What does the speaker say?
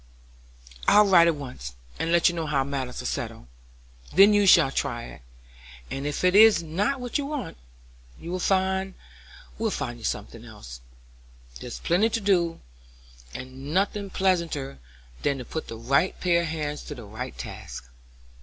"I will write at once and let you know how matters are settled. Then you shall try it, and if it is not what you want, we will find you something else. There's plenty to do, and nothing pleasanter than to put the right pair of hands to the right task.